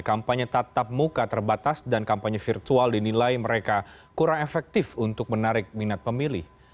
kampanye tatap muka terbatas dan kampanye virtual dinilai mereka kurang efektif untuk menarik minat pemilih